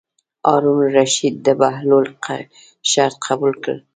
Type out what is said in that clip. هارون الرشید د بهلول شرط قبول کړ.